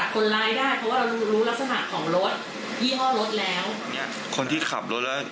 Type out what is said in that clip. ครับ